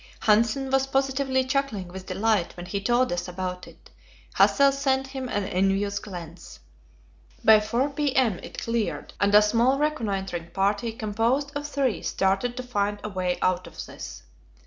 Hanssen was positively chuckling with delight when he told us about it; Hassel sent him an envious glance. By 4 p.m. it cleared, and a small reconnoitring party, composed of three, started to find a way out of this.